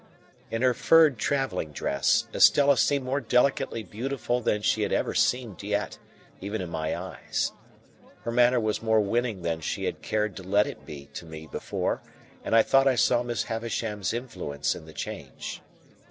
In her furred travelling dress, Estella seemed more delicately beautiful than she had ever seemed yet, even in my eyes. Her manner was more winning than she had cared to let it be to me before, and I thought I saw Miss Havisham's influence in the change.